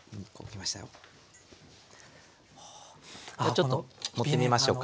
ちょっと盛ってみましょうか。